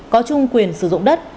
có chung quyền sử dụng đất